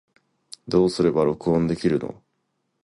どうすれば録音できるの